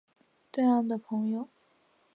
对岸的朋友